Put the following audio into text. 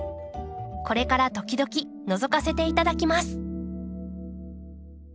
これから時々のぞかせていただきます。